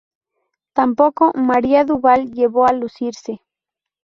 Tampoco María Duval llevó a lucirse.